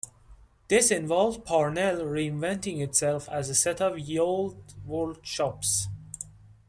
This involved Parnell re-inventing itself as a set of "Ye Olde Worlde Shoppes".